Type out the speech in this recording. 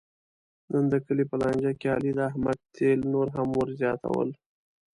نن د کلي په لانجه کې علي د احمد تېل نور هم ور زیاتول.